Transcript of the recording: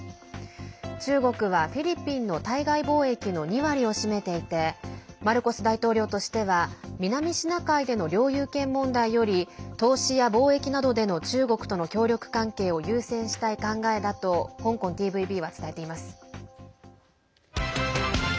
中国はフィリピンの対外貿易の２割を占めていてマルコス大統領としては南シナ海での領有権問題より投資や貿易などでの中国との協力関係を優先したい考えだと香港ＴＶＢは伝えています。